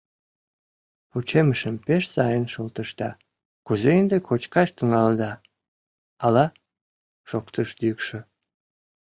— Пучымышым пеш сайын шолтышда, кузе ынде кочкаш тӱҥалыда, ала? — шоктыш йӱкшӧ.